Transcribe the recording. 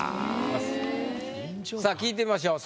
さあ聞いてみましょう。